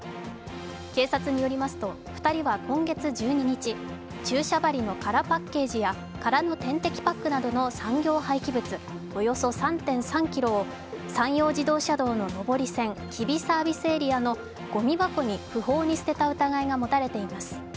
警察によりますと２人は今月１２日、注射針の空パッケージや空の点滴パックなどの産業廃棄物、およそ３．３ｋｇを山陽自動車道の上り線吉備サービスエリアのごみ箱に不法に捨てた疑いが持たれています。